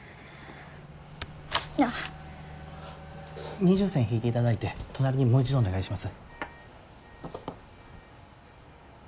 二重線引いていただいて隣にもう一度お願いします。